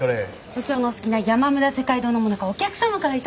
部長のお好きな山村世界堂のもなかお客様から頂いたんです。